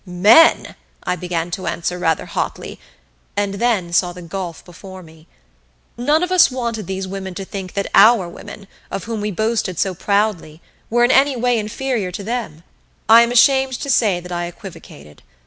"Men!" I began to answer, rather hotly, and then saw the gulf before me. None of us wanted these women to think that our women, of whom we boasted so proudly, were in any way inferior to them. I am ashamed to say that I equivocated.